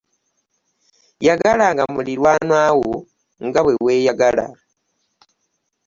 Yagalanga muliraanwa wo nga bwe weeyagala.